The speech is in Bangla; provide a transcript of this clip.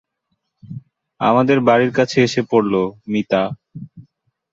আমাদের বাড়ি কাছে এসে পড়ল, মিতা।